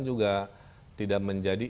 juga tidak menjadi